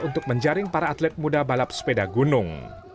untuk menjaring para atlet muda balap sepeda gunung